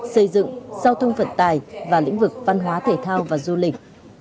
xây dựng giao thông vận tài và lĩnh vực văn hóa thể thao và du lịch